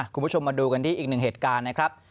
คุณผู้ชมมาดูกันที่อีกหนึ่งเหตุการณ์นะครับ